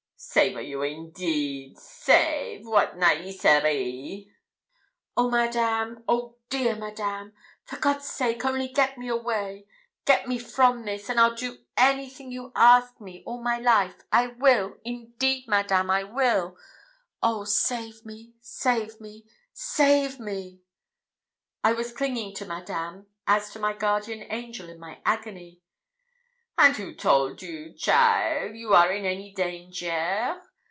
'Save a you, indeed! Save! What niaiserie!' 'Oh, Madame! Oh, dear Madame! for God's sake, only get me away get me from this, and I'll do everything you ask me all my life I will indeed, Madame, I will! Oh save me! save me! save me!' I was clinging to Madame as to my guardian angel in my agony. 'And who told you, cheaile, you are in any danger?'